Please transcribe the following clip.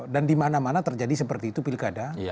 dan di mana mana terjadi seperti itu pilkada